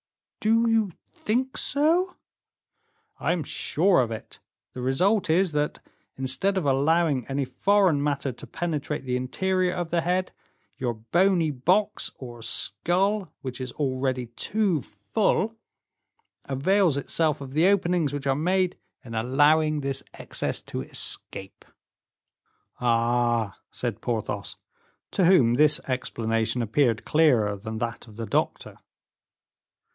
"Do you think so?" "I am sure of it. The result is, that, instead of allowing any foreign matter to penetrate the interior of the head, your bony box or skull, which is already too full, avails itself of the openings which are made in allowing this excess to escape." "Ah!" said Porthos, to whom this explanation appeared clearer than that of the doctor.